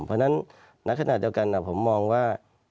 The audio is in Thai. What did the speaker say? เพราะฉะนั้นณขณะเดียวกันผมมองว่า